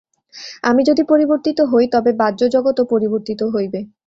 আমি যদি পরিবর্তিত হই, তবে বাহ্যজগৎও পরিবর্তিত হইবে।